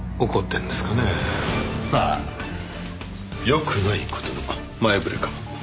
良くない事の前触れかも。